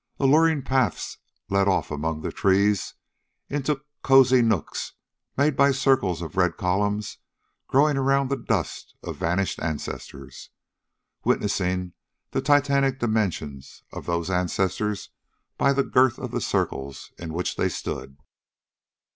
Alluring paths led off among the trees and into cozy nooks made by circles of red columns growing around the dust of vanished ancestors witnessing the titanic dimensions of those ancestors by the girth of the circles in which they stood.